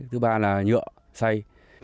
thứ ba là nhựa xay